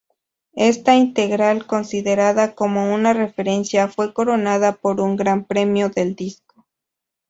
Esta integral, considerada como una referencia, fue coronada por un gran Premio del Disco.